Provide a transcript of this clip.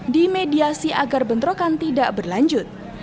dimediasi agar bentrokan tidak berlanjut